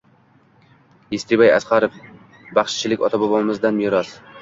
Yerisbay Asqarov: Baxshichilik ota-bobomizdan meros